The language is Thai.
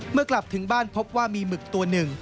กลับถึงบ้านพบว่ามีหมึกตัวหนึ่ง